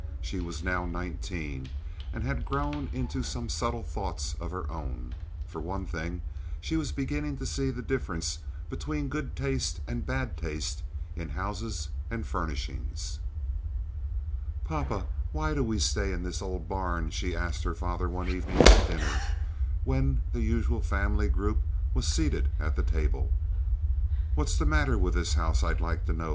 She was now nineteen and had grown into some subtle thoughts of her own. For one thing, she was beginning to see the difference between good taste and bad taste in houses and furnishings. "Papa, why do we stay in this old barn?" she asked her father one evening at dinner, when the usual family group was seated at the table. "What's the matter with this house, I'd like to know?"